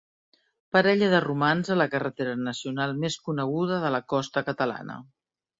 Parella de romans a la carretera nacional més coneguda de la costa catalana.